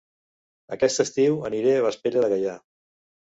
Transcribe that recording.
Aquest estiu aniré a Vespella de Gaià